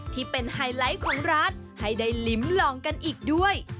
ที่เป็นไฮไลท์ของร้านให้ได้ลิ้มลองกันอีกด้วย